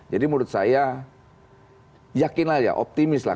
jadi menurut saya yakin lah ya optimis lah